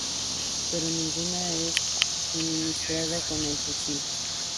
Pero ninguna es suministrada con el fusil.